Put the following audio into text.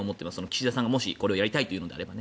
岸田さんがもしこれをやりたいというのであれば。